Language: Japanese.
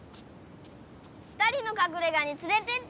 ２人のかくれがにつれてってよ。